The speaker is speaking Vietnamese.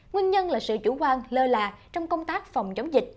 nguyên nhân là sự chủ quan lơ là trong công tác phòng chống dịch